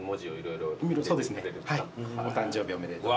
「お誕生日おめでとう」